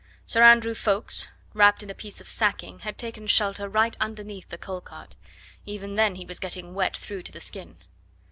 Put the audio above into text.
Sir Andrew Ffoulkes, wrapped in a piece of sacking, had taken shelter right underneath the coal cart; even then he was getting wet through to the skin.